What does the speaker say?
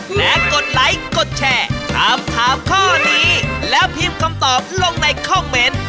และกดไลค์กดแชร์ถามถามข้อนี้แล้วพิมพ์คำตอบลงในคอมเมนต์